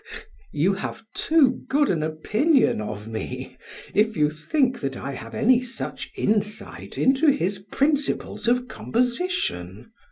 PHAEDRUS: You have too good an opinion of me if you think that I have any such insight into his principles of composition.